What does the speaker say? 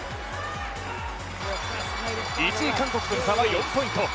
１位・韓国との差は４ポイント。